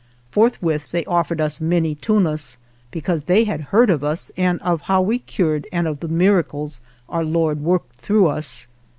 Forthwith they offered us many tunas, because they had heard of us and of 99 THE JOURNEY OF how we cured and of the miracles Our Lord worked through us.